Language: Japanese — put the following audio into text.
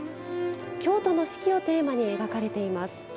京都の四季をテーマに描かれています。